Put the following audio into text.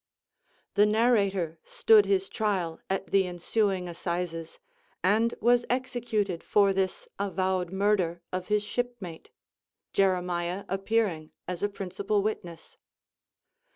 The narrator stood his trial at the ensuing assizes, and was executed for this avowed murder of his shipmate; Jeremiah appearing as a principal witness.